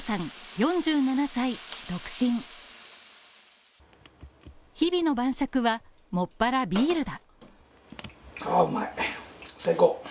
４７歳独身日々の晩酌はもっぱらビールだ。